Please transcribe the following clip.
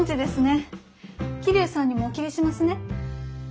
桐生さんにもお切りしますね。